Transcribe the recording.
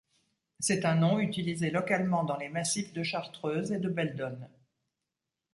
C'est un nom utilisé localement dans les massifs de Chartreuse et de Belledonne.